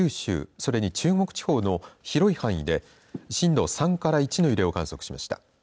それに中国地方の広い範囲で震度３から１の揺れを観測しました。